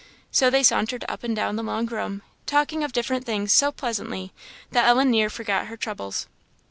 So they sauntered up and down the long room, talking of different things, so pleasantly, that Ellen near forgot her troubles.